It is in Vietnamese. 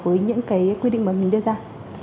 với những cái quy định mà mình đưa ra